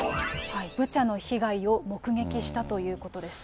ブチャの被害を目撃したということです。